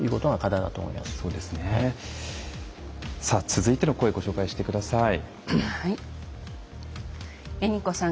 続いての声ご紹介してください。